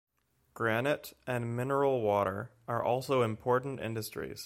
Granite and mineral water are also important industries.